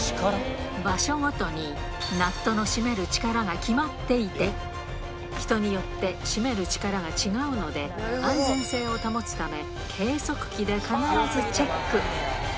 場所ごとにナットの締める力が決まっていて、人によって締める力が違うので、安全性を保つため、計測器で必ずチェック。